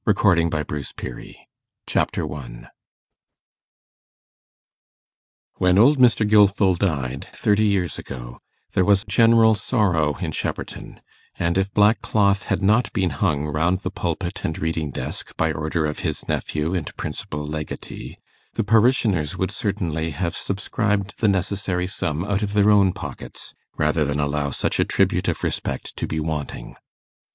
MR. GILFIL'S LOVE STORY Chapter 1 When old Mr. Gilfil died, thirty years ago, there was general sorrow in Shepperton; and if black cloth had not been hung round the pulpit and reading desk, by order of his nephew and principal legatee, the parishioners would certainly have subscribed the necessary sum out of their own pockets, rather than allow such a tribute of respect to be wanting.